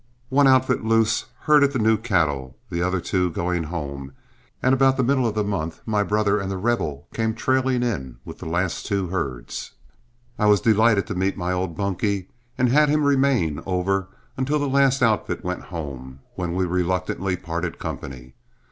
One outfit loose herded the new cattle, the other two going home, and about the middle of the month, my brother and The Rebel came trailing in with the last two herds. I was delighted to meet my old bunkie, and had him remain over until the last outfit went home, when we reluctantly parted company.